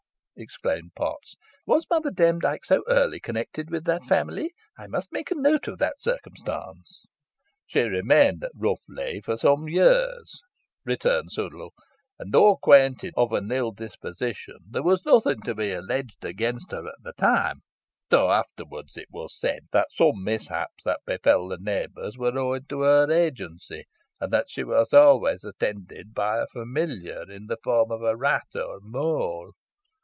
exclaimed Potts, "was Mother Demdike so early connected with that family? I must make a note of that circumstance." "She remained at Rough Lee for some years," returned Sudall, "and though accounted of an ill disposition, there was nothing to be alleged against her at the time; though afterwards, it was said, that some mishaps that befell the neighbours were owing to her agency, and that she was always attended by a familiar in the form of a rat or a mole.